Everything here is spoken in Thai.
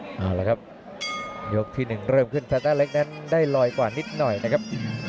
เอาล่ะครับยกที่๑เรื่องมึงฟันตาร์เล็กนั้นได้ลอยกว่านิดหน่อยครับ